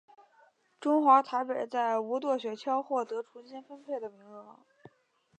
中华台北在无舵雪橇获得重新分配的名额。